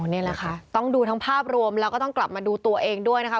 นี่แหละค่ะต้องดูทั้งภาพรวมแล้วก็ต้องกลับมาดูตัวเองด้วยนะคะ